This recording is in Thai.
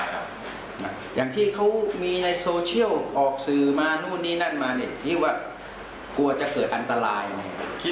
อีกอย่างโตโน่เขาก็ตั้งใจจะทำเพื่อประโยชน์ส่วนร่วมครับ